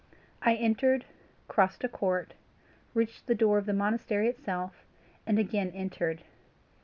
I entered, crossed a court, reached the door of the monastery itself, and again entered.